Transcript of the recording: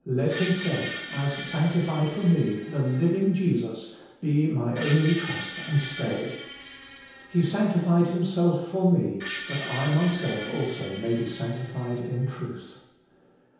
let Himself, as sanctified for me, the living Jesus, be my only trust and stay. He sanctified Himself for me, that I myself also may be sanctified in truth.